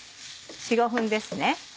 ４５分です。